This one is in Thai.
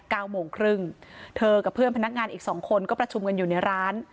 เก้าโมงครึ่งเธอกับเพื่อนพนักงานอีกสองคนก็ประชุมกันอยู่ในร้าน